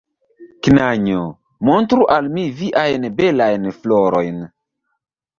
Knanjo! Montru al mi viajn belajn florojn!